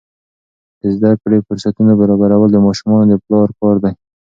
د زده کړې فرصتونه برابرول د ماشومانو د پلار کار دی.